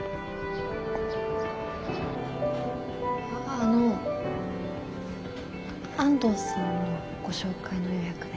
あの安藤さんのご紹介の予約で。